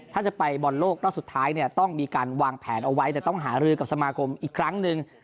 ถ้าจะไปบอลโลกรอบสุดท้ายเนี่ยต้องมีการวางแผนเอาไว้แต่ต้องหารือกับสมาคมอีกครั้งหนึ่ง